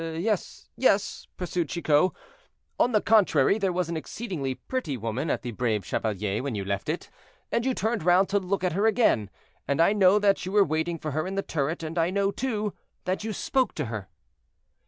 "Yes, yes," pursued Chicot; "on the contrary, there was an exceedingly pretty woman at the 'Brave Chevalier' when you left it, and you turned round to look at her again; and I know that you were waiting for her in the turret, and I know, too, that you spoke to her."